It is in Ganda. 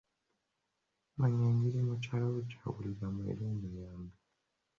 Manya engeri mukyalawo gy'awuliramu era omuyambe.